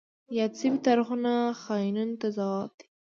یاد شوي تاریخونه خاینینو ته ځواب دی.